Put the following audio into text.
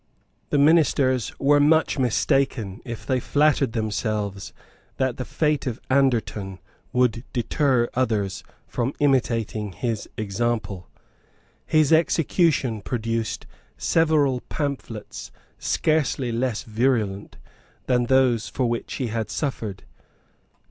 The Ministers were much mistaken if they flattered themselves that the fate of Anderton would deter others from imitating his example. His execution produced several pamphlets scarcely less virulent than those for which he had suffered.